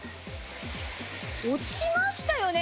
落ちましたよね？